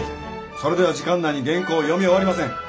それでは時間内に原稿を読み終わりません。